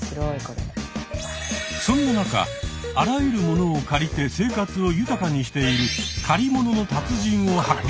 そんな中あらゆる物を借りて生活を豊かにしている借りものの達人を発見。